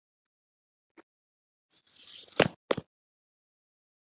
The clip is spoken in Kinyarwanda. raporo z igenzura zigaragaza uko umutungo uhagaze